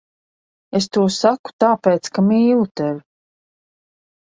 Es to saku tāpēc, ka mīlu tevi.